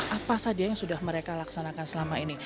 apa saja yang sudah mereka laksanakan selama ini